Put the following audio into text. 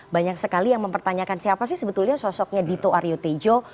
banyak sekali yang mempertanyakan siapa sih sebetulnya sosoknya dito aryo tejo